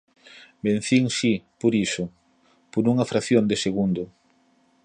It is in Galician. Vencín, si, por iso: por unha fracción de segundo.